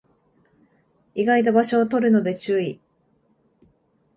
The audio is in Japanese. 意外と場所を取るので注意